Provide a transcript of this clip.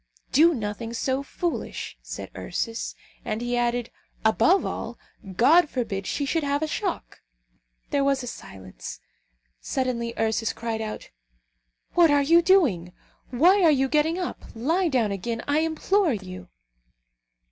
"Do nothing so foolish," said Ursus. And he added, "Above all, God forbid she should have a shock!" There was a silence. Suddenly Ursus cried out, "What are you doing? Why are you getting up? Lie down again, I implore of you."